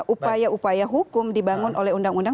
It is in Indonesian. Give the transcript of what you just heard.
upaya upaya hukum dibangun oleh undang undang